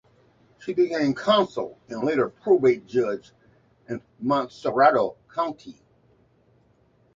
She became counsel and later probate judge in Montserrado County.